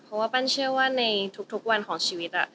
เพราะว่าปั้นเชื่อว่าในทุกวันของชีวิต